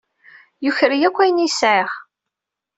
Yuker-iyi akk ayen ay sɛiɣ.